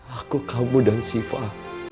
aku kamu dan siva